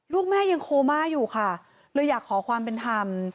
ลูกแม่ยังโคม่าอยู่ค่ะเลยอยากขอความเป็นธรรม